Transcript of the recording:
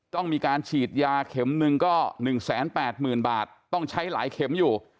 ต้องมีการฉีดยาเข็มหนึ่งก็๑๘๐๐๐บาทต้องใช้หลายเข็มอยู่